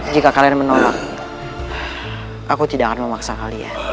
jika kalian menolak aku tidak akan memaksa kalian